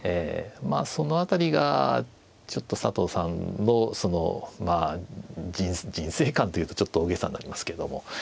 まあその辺りがちょっと佐藤さんの人生観というとちょっと大げさになりますけども。